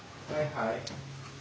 ・はい。